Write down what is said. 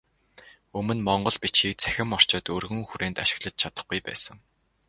Өмнө монгол бичгийг цахим орчинд өргөн хүрээнд ашиглаж чадахгүй байсан.